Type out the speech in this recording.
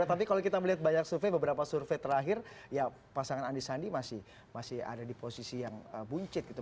tapi kalau kita melihat banyak survei beberapa survei terakhir ya pasangan andi sandi masih ada di posisi yang buncit gitu